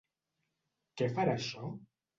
Què farà això?